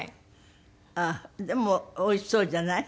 ああでもおいしそうじゃない？